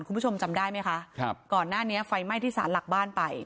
คุณผู้ชมจำได้ไหมคะครับก่อนหน้านี้ไฟไหม้ที่สารหลักบ้านไป